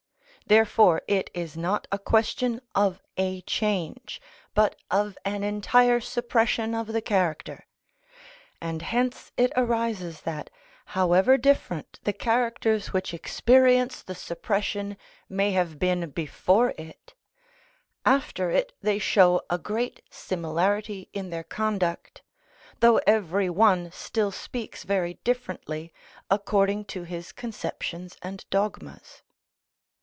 Therefore it is not a question of a change, but of an entire suppression of the character; and hence it arises that, however different the characters which experience the suppression may have been before it, after it they show a great similarity in their conduct, though every one still speaks very differently according to his conceptions and dogmas.